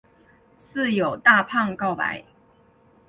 室友大胖告白。